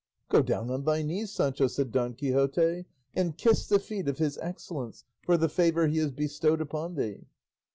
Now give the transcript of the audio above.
"Go down on thy knees, Sancho," said Don Quixote, "and kiss the feet of his excellence for the favour he has bestowed upon thee."